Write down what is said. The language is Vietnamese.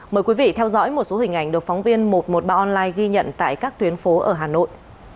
mời quý vị theo dõi một số hình ảnh được phóng viên một trăm một mươi ba online ghi nhận tại các tuyến phố ở hà nội